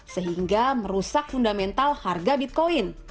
sehingga merusak fundamental harga bitcoin